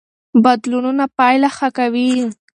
بدلونونه پایله ښه کوي.